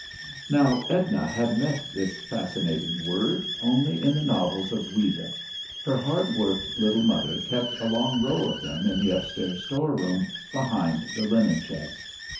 Now Edna had met this fascinating word only in the novels of Ouida, her hard worked little mother kept a long row of them in the upstairs storeroom, behind the linen chest.